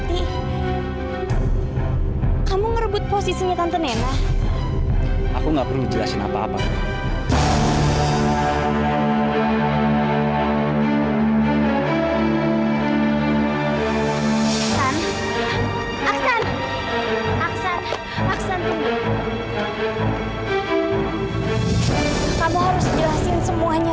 itu semua gak ada hubungan isma